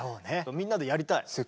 みんなでやりたい。